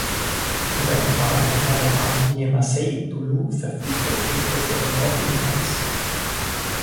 Über einen Bahnhof an der Bahnlinie Marseille–Toulon verfügt der beliebte Ferienort ebenfalls.